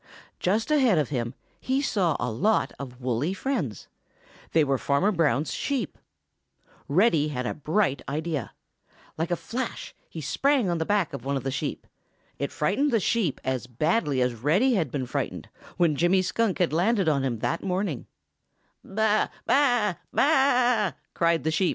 Just ahead of him he saw a lot of woolly friends. They were Farmer Brown's sheep. Reddy had a bright idea. Like a flash he sprang on the back of one of the sheep. It frightened the sheep as badly as Reddy had been frightened, when Jimmy Skunk had landed on him that morning. "Baa, baa, baa!"